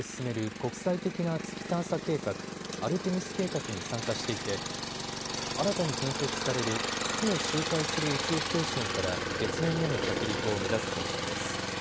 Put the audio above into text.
国際的な月探査計画、アルテミス計画に参加していて新たに建設される、月を周回する宇宙ステーションから月面への着陸を目指す方針です。